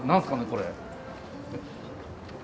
これ。